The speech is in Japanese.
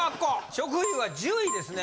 食費は１０位ですね。